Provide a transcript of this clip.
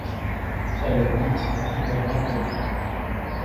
Elle est huitième le lendemain.